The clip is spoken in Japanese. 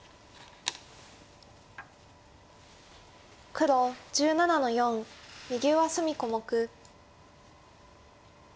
黒１７の四右上隅小目。